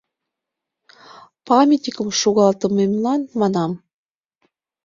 Памятникым шогалтымемлан, манам.